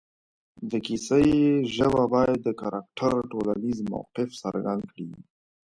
د کیسې ژبه باید د کرکټر ټولنیز موقف څرګند کړي